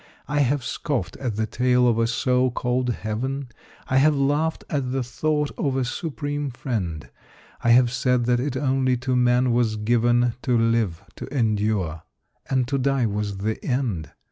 I have scoffed at the tale of a so called heaven; I have laughed at the thought of a Supreme Friend; I have said that it only to man was given To live, to endure; and to die was the end.